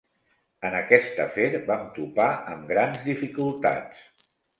En aquest afer, vam topar amb grans dificultats.